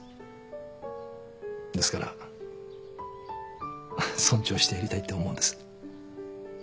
ですから尊重してやりたいって思うんです。